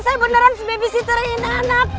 saya beneran babysitternya ini anak